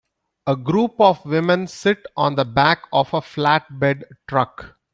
A group of women sit on the back of a flatbed truck.